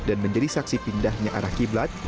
dan menjadi saksi pindahnya arah qiblat